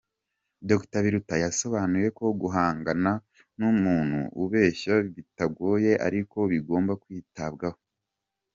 Dr Biruta yasobanuye ko guhangana n’umuntu ubeshya bitagoye ariko bigomba kwitabwaho.